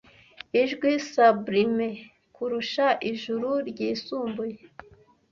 Ijwi sublimes kurusha ijuru ryisumbuye,